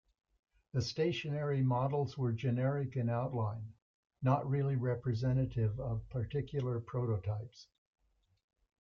The stationary models were generic in outline, not really representative of particular prototypes.